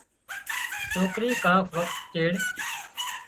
سوڪري ڪانڪ وکت چيڙ